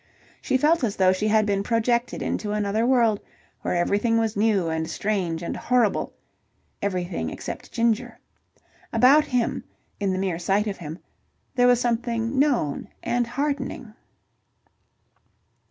She felt as though she had been projected into another world where everything was new and strange and horrible everything except Ginger. About him, in the mere sight of him, there was something known and heartening.